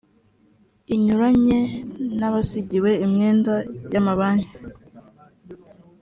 inyuranye n abasigiwe imyenda y amabanki